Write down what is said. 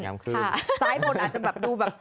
ซ้ายบนอาจจะแบบดูแบบ